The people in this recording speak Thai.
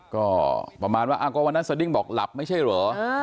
ก็ประมาณว่าก็วันนั้นสดิ้งบอกหลับไม่ใช่เหรอ